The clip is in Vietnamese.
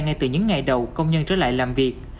ngay từ những ngày đầu công nhân trở lại làm việc